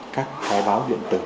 các cái báo điện tử